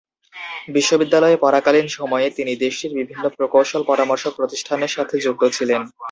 বিশ্ববিদ্যালয়ে পড়াকালীন সময়ে তিনি দেশটির বিভিন্ন প্রকৌশল পরামর্শক প্রতিষ্ঠানের সাথে যুক্ত ছিলেন।